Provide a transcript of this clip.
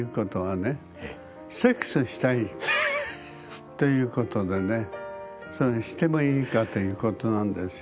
でもということでねしてもいいかということなんですよ。